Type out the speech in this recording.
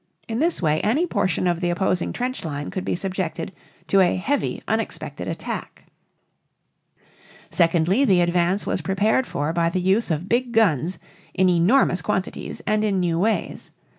In this way any portion of the opposing trench line could be subjected to a heavy, unexpected attack. Secondly, the advance was prepared for by the use of big guns in enormous quantities and in new ways.